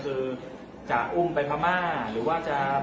แล้วก็พอเล่ากับเขาก็คอยจับอย่างนี้ครับ